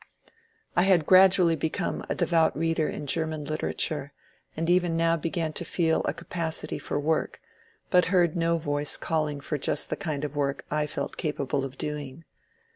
I had gradually become a devout reader in Grerman litera ture, and even now began to feel a capacity for work, but heard no voice calling for just the kind of work I felt capable of doing.